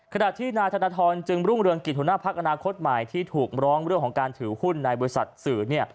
ขณะที่นายธนทรจึงรุ่งเรืองกิจหัวหน้าพักอนาคตใหม่ที่ถูกร้องเรื่องของการถือหุ้นในบริษัทสื่อ